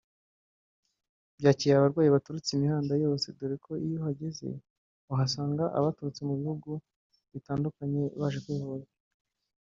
byakira abarwayi baturuka imihanda yose dore ko iyo uhageze uhasanga abaturutse mu bihugu bitandukanye baje kuyivuza